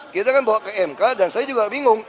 kita kan bawa ke mk dan saya juga bingung